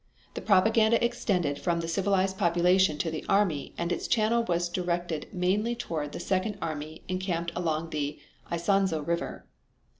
The propaganda extended from the civilian population to the army, and its channel was directed mainly toward the second army encamped along the Isonzo River.